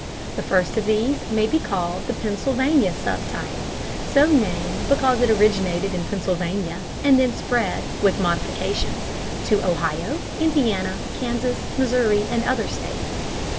The first of these may be called the Pennsylvania sub type, so named because it originated in Pennsylvania, and then spread, with modifications, to Ohio, Indiana, Kansas, Missouri, and other states.